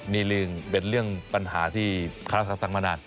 นิรึงเป็นเรื่องปัญหาที่คาลักษณ์สร้างมานาน